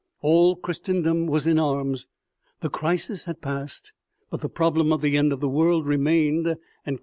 All Christendom was in arms. The crisis had passed, but the problem of the end of the world remained, and ere OMEGA.